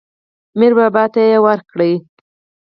میر بابا ته یې ورکړ.